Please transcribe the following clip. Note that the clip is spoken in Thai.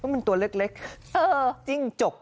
มันตัวเล็ก